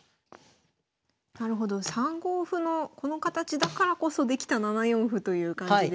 なるほど３五歩のこの形だからこそできた７四歩という感じで。